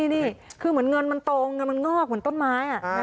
นี่คือเหมือนเงินมันตรงเงินมันงอกเหมือนต้นไม้